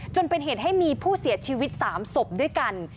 จนเป็นเหตุให้มีผู้เสียชีวิต๓ศพด้วยกัน